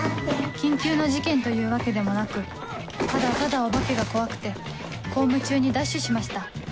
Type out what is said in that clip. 緊急の事件というわけでもなくただただお化けが怖くて公務中にダッシュしました